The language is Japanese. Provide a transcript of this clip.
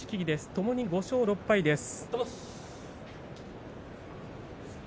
ともに５勝６敗です。